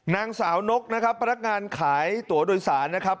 นางสาวนกนะครับพนักงานขายตัวโดยสารนะครับ